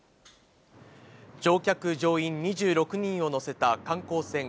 乗客・乗員２６人を乗せた観光船